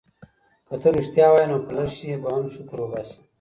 که ته ریښتیا وایې نو په لږ شي به هم شکر وباسې.